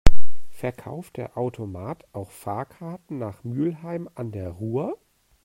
Verkauft der Automat auch Fahrkarten nach Mülheim an der Ruhr?